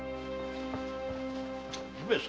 上様。